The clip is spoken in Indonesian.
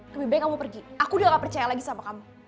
lebih baik kamu pergi aku dia gak percaya lagi sama kamu